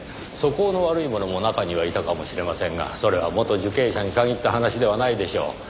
素行の悪い者も中にはいたかもしれませんがそれは元受刑者に限った話ではないでしょう。